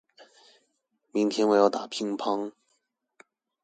明天我要打乒乓